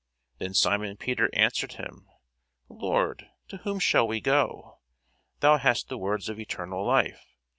Then Simon Peter answered him, Lord, to whom shall we go? thou hast the words of eternal life.